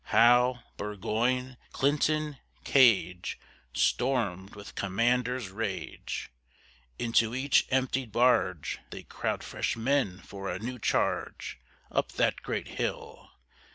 Howe, Burgoyne, Clinton, Gage, Stormed with commander's rage. Into each emptied barge They crowd fresh men for a new charge Up that great hill.